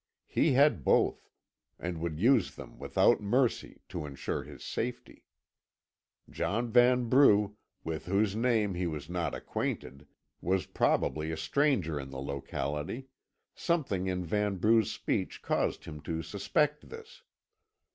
He had both, and would use them without mercy, to ensure his safety. John Vanbrugh, with whose name he was not acquainted, was probably a stranger in the locality; something in Vanbrugh's speech caused him to suspect this.